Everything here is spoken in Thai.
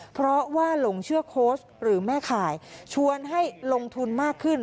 เพราะว่าหลงเชื่อโค้ชหรือแม่ข่ายชวนให้ลงทุนมากขึ้น